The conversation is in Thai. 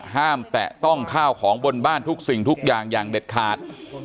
แตะต้องข้าวของบนบ้านทุกสิ่งทุกอย่างอย่างเด็ดขาด